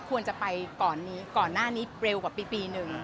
ควรจะไปก่อนหน้านี้เร็วกว่าปีหนึ่ง